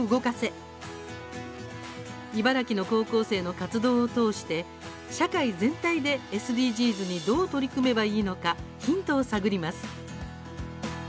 茨城の高校生の活動を通して社会全体でＳＤＧｓにどう取り組めばいいのかヒントを探ります。